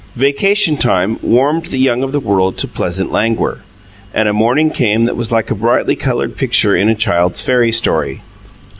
Vacation time warmed the young of the world to pleasant languor; and a morning came that was like a brightly coloured picture in a child's fairy story.